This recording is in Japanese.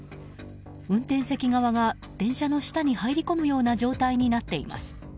運転席側が電車の下に入り込むような状態になっています。